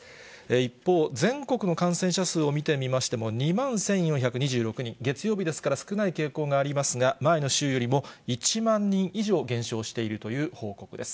一方、全国の感染者数を見てみましても、２万１４２６人、月曜日ですから、少ない傾向がありますが、前の週よりも１万人以上減少しているという報告です。